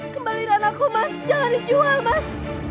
kembali dan aku mas jangan dijual mas